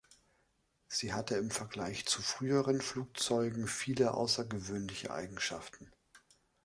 Sie hatte im Vergleich zu früheren Flugzeugen viele außergewöhnliche Eigenschaften.